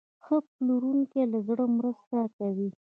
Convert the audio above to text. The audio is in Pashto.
ښه پلورونکی له زړه مرسته کوي.